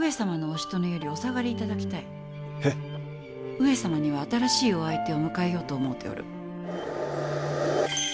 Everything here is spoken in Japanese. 上様には新しいお相手を迎えようと思うておる。